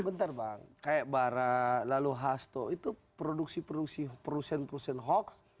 bentar bang kayak barah lalu hasto itu produksi produksi perusahaan perusahaan hoax